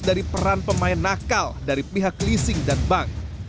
dari peran pemain nakal dari pihak leasing dan bank